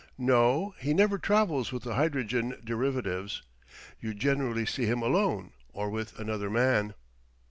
No; he never travels with the hydrogen derivatives. You generally see him alone or with another man."